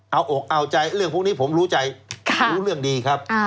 เอาอกเอาใจเรื่องพวกนี้ผมรู้ใจรู้เรื่องดีครับ